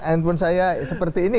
handphone saya seperti ini